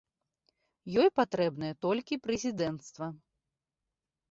Ёй патрэбнае толькі прэзідэнцтва.